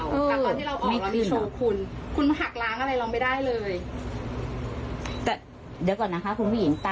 เดี๋ยวก่อนนะคะคุณผู้หญิง